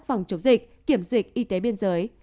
phòng chống dịch kiểm dịch y tế biên giới